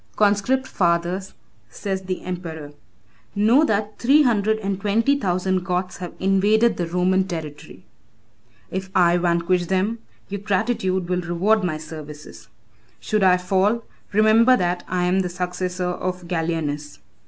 "Conscript fathers," says the emperor, "know that three hundred and twenty thousand Goths have invaded the Roman territory. If I vanquish them, your gratitude will reward my services. Should I fall, remember that I am the successor of Gallienus.